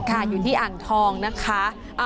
อยู่ที่อ่างทองนะคะ